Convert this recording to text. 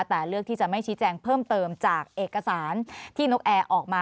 แต่เลือกที่จะไม่ชี้แจงเพิ่มเติมจากเอกสารที่นกแอร์ออกมา